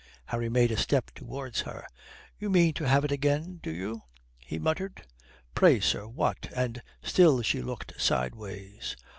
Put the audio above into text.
Harry made a step towards her. "You mean to have it again, do you?" he muttered. "Pray, sir, what?" and still she looked sideways.